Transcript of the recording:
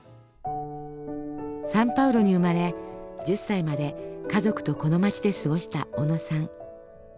サンパウロに生まれ１０歳まで家族とこの町で過ごした小野さん。